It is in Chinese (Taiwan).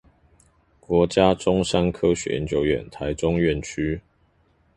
國家中山科學研究院臺中院區